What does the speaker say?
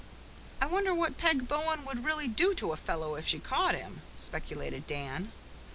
"I wonder what Peg Bowen would really do to a fellow if she caught him," speculated Dan.